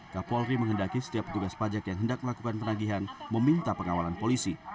kapolri menghendaki setiap petugas pajak yang hendak melakukan penagihan meminta pengawalan polisi